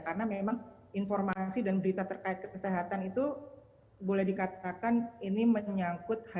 karena memang informasi dan berita terkait kesehatan itu boleh dikatakan ini menyangkut hadapan